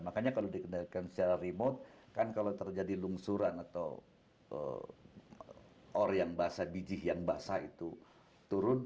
makanya kalau dikendalikan secara remote kan kalau terjadi lungsuran atau ore yang basah biji yang basah itu turun